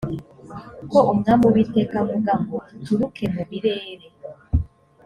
ko umwami uwiteka avuga ngo uturuke mu birere